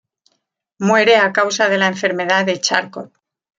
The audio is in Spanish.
Muere a causa de la enfermedad de Charcot.